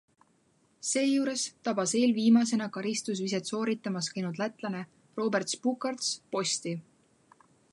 Seejuures tabas eelviimasena karistusviset sooritamas käinud lätlane Roberts Bukarts posti.